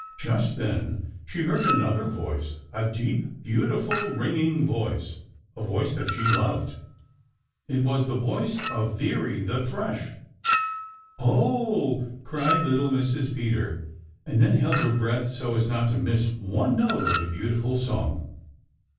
Just then she heard another voice, a deep, beautiful, ringing voice, a voice that she loved. It was the voice of Veery the Thrush. "Oh!" cried little Mrs. Peter, and then held her breath so as not to miss one note of the beautiful song.